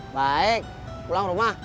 baik pulang rumah